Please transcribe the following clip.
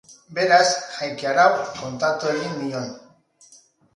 Beraz, jaiki arau, kontatu egin nion.